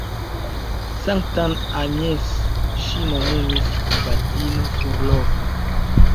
Sanktan Agnes ŝi nomumis abatino surloka.